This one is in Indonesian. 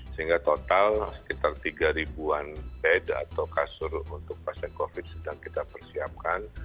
sehingga total sekitar tiga ribuan bed atau kasur untuk pasien covid sedang kita persiapkan